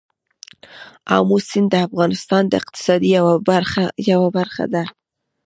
آمو سیند د افغانستان د اقتصاد یوه برخه ده.